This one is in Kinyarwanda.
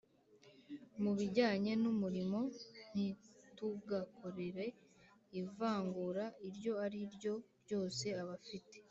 mu bijyanye n'umurimo, ntitugakorere ivangura iryo ari ryo ryose abafite